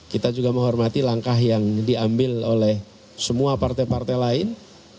kita juga menghormati langkah yang diambil oleh semua partai partai lain